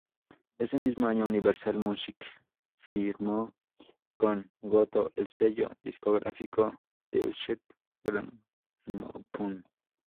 Ese mismo año, Universal Music firmó con Goto el sello discográfico Deutsche Grammophon.